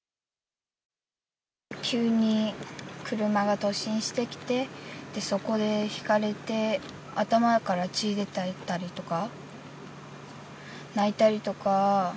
急に車が突進してきて、そこでひかれて、頭から血出てたりとか、泣いたりとか。